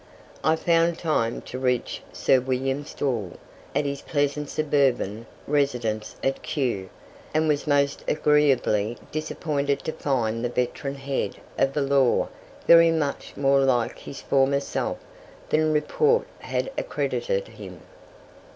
I found time to reach Sir William Stawell at his pleasant suburban residence at Kew, and was most agreeably disappointed to find the veteran head of the law very much more like his former self than report had accredited him.